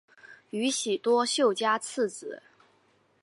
宇喜多秀家次子。